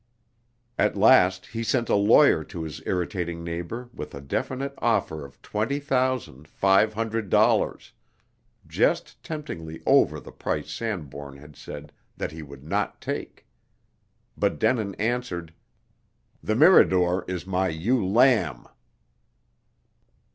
At last he sent a lawyer to his irritating neighbor with a definite offer of twenty thousand, five hundred dollars just temptingly over the price Sanbourne had said that he would not take. But Denin answered, "The Mirador is my ewe lamb."